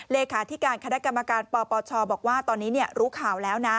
เลขาธิการคณะกรรมการปปชบอกว่าตอนนี้รู้ข่าวแล้วนะ